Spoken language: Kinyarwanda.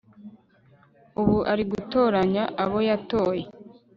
ubu ari gutoranya abo yatoye